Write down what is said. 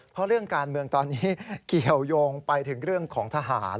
เพราะเรื่องการเมืองตอนนี้เกี่ยวยงไปถึงเรื่องของทหาร